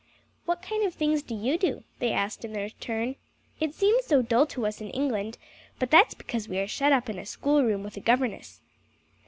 "What kind of things do you do?" they asked in their turn. "It seems so dull to us in England, but that's because we are shut up in a school room with a governess."